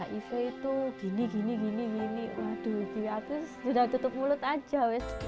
tapi kalau penyakit hiv itu gini gini gini waduh diatus sudah tutup mulut aja